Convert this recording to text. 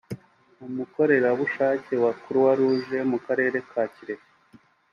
umukorerabushake wa Croix-Rouge mu karere ka Kirehe